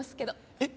えっ？